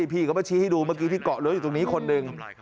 พี่เขามาชี้ให้ดูเมื่อกี้ที่เกาะเลื้ออยู่ตรงนี้คนหนึ่ง